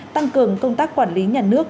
tăng cường công tác quản lý nhà nước